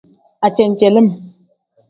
Ajenjelim.